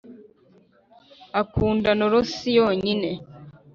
Akunda noresi yonyine